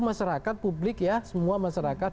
masyarakat publik ya semua masyarakat